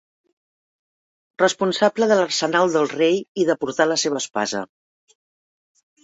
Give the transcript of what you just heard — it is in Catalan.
Responsable de l'arsenal del rei i de portar la seva espasa.